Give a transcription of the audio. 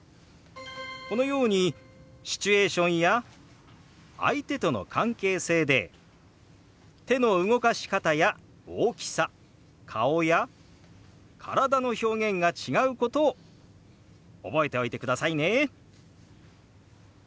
このようにシチュエーションや相手との関係性で手の動かし方や大きさ顔や体の表現が違うことを覚えておいてくださいね。